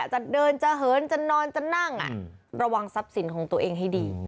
จะเดินจะเหินจะนอนจะนั่งระวังทรัพย์สินของตัวเองให้ดี